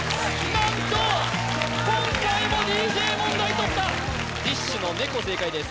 何と今回もＤＪ問題とったＤＩＳＨ／／の「猫」正解です